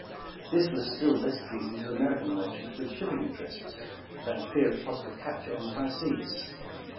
This was still less pleasing to American merchants with shipping interests, than fear of possible capture on the high seas.